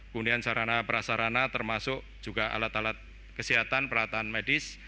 kemudian sarana prasarana termasuk juga alat alat kesehatan peralatan medis